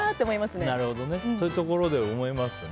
そういうところで思いますよね。